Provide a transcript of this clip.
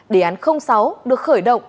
đề án sáu được khởi động